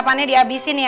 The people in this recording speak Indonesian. jadi hari ini